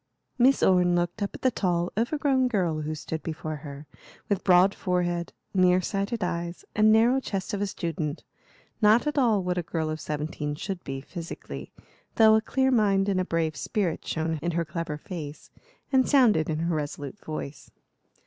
Miss Orne looked up at the tall, overgrown girl who stood before her, with broad forehead, near sighted eyes, and narrow chest of a student; not at all what a girl of seventeen should be, physically, though a clear mind and a brave spirit shone in her clever face and sounded in her resolute voice.